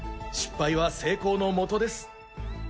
失敗は成功のもとです。